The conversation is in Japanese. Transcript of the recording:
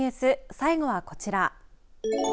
最後はこちら。